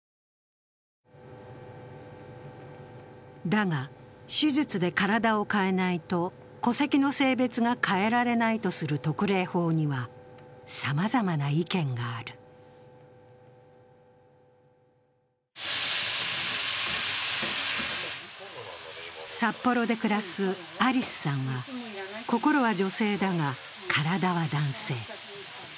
だが、手術で体を変えないと戸籍の性別が変えられないとする特例法には、さまざまな意見がある札幌で暮らすありすさんは心は女性だが、体は男性。